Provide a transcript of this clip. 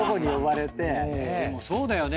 でもそうだよね。